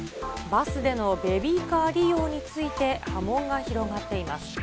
バスでのベビーカー利用について波紋が広がっています。